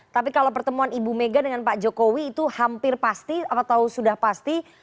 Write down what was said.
tapi kalau pertemuan ibu mega dengan pak jokowi itu hampir pasti atau sudah pasti